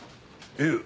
え？